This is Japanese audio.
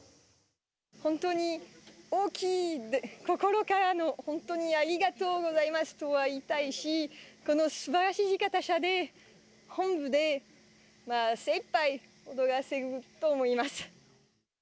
本当に大きい心からの本当にありがとうございますとは言いたいし、このすばらしい地方車で、本番で精いっぱい踊らせると思います。